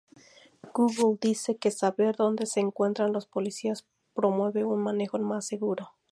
Google dice que saber donde se encuentran los policías promueve un manejo más seguro.